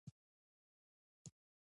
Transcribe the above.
ده وویل چې ماته پنجابیان ښکاره شول.